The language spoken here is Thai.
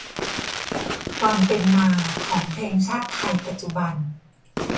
ความเป็นมาของเพลงชาติไทยปัจจุบัน